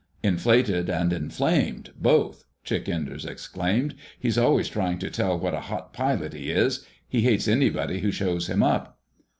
"Inflated and inflamed, both!" Chick Enders exclaimed. "He's always trying to tell what a hot pilot he is. He hates anybody who shows him up."